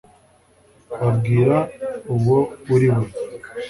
babwire uwo uriwe